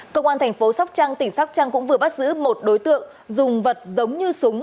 công an thành phố sóc trăng tỉnh sóc trăng cũng vừa bắt giữ một đối tượng dùng vật giống như súng